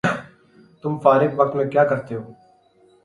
تم فارغ وقت میں کیاکرتےہو؟